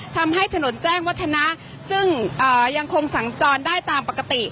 ทำให้ถนนแจ้งวัฒนะซึ่งยังคงสัญจรได้ตามปกติ